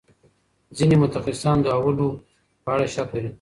ځینې متخصصان د اولو په اړه شک لري.